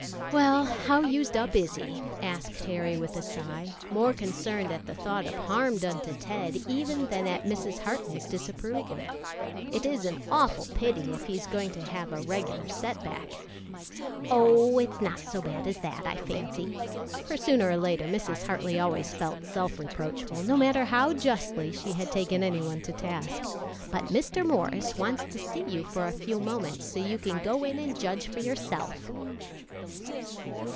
"Well, how used up is he?" asked Harry with a sigh, more concerned at the thought of harm done to Ted even than at Mrs. Hartley's disapproval. "It is an awful pity if he's going to have a regular set back." "Oh, it's not so bad as that, I fancy;" for sooner or later, Mrs. Hartley always felt self reproachful, no matter how justly she had taken any one to task; "but Mr. Morris wants to see you for a few moments, so you can go in and judge for yourself."